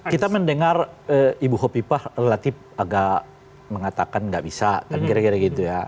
kita mendengar ibu hopipa relatif agak mengatakan nggak bisa kan kira kira gitu ya